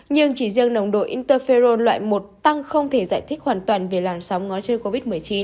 nhưng chỉ riêng nồng độ interferon loại một tăng không thể giải thích hoàn toàn về làn sóng ngón chân covid một mươi chín